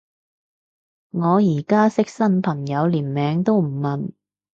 我而家識新朋友連名都唔問